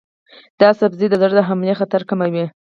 دا سبزی د زړه د حملې خطر کموي.